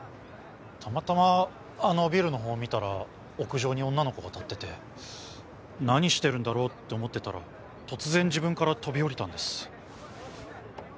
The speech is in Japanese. たまたまあのビルの方見たら屋上に女の子が立ってて何してるんだろうって思ってたら突然自分から飛び降りたんです。